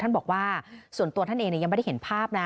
บอกว่าส่วนตัวท่านเองยังไม่ได้เห็นภาพนะ